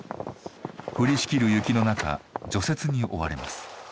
降りしきる雪の中除雪に追われます。